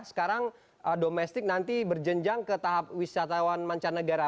sekarang domestik nanti berjenjang ke tahap wisatawan mancanegara